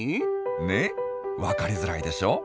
ね分かりづらいでしょ？